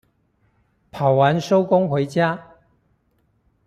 跑完收工回家